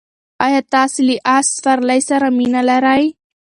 ایا تاسې له اس سورلۍ سره مینه لرئ؟